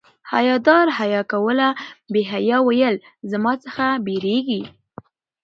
حیا دار حیا کوله بې حیا ویل زما څخه بيریږي